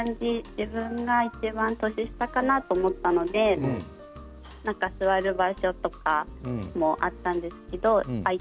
自分がいちばん年下かなと思ったので座る場所とかもあったんですけど空い